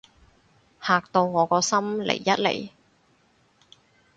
嚇到我個心離一離